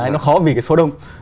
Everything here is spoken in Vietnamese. nó khó vì cái số đông